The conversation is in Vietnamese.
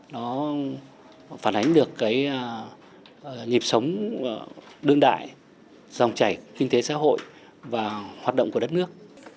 nó phản ánh được cái nhịp sống đương đại dòng chảy kinh tế xã hội và hoạt động của đất nước